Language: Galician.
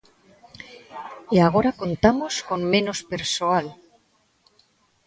"E agora contamos con menos persoal".